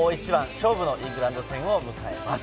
勝負のイングランド戦を迎えます。